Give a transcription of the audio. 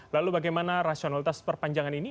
lalu bagaimana rasionalitas perpanjangan ini